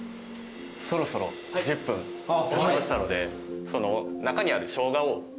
そろそろ１０分たちましたので。